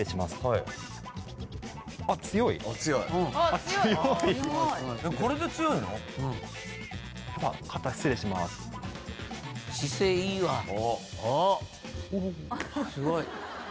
すごい。